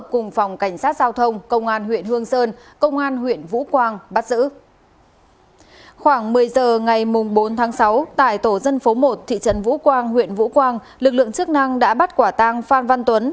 khoảng một mươi h ngày bốn tháng sáu tại tổ dân phố một thị trấn vũ quang huyện vũ quang lực lượng chức năng đã bắt quả tang phan văn tuấn